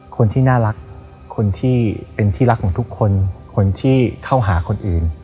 คนที่น่ารักคนที่เป็นที่รักของทุกคนคนที่เข้าหาคนอื่น